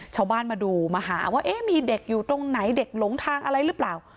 ชาวบ้านมาดูมาหาว่าเอ๊ะมีเด็กอยู่ตรงไหนเด็กหลงทางอะไรหรือเปล่า